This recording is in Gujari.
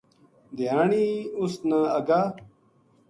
دھیانی اس نا اگا